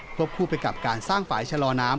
คู่ไปกับการสร้างฝ่ายชะลอน้ำ